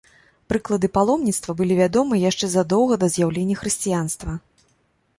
Прыклады паломніцтва былі вядомыя яшчэ задоўга да з'яўлення хрысціянства.